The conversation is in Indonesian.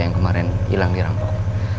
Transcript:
yang kemarin hilang dirampok